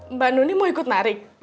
mbak nunik mau ikut nari